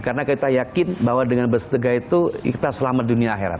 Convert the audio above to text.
karena kita yakin bahwa dengan bersedekah itu kita selamat dunia akhirat